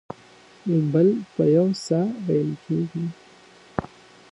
بل په یو ساه وېل کېږي.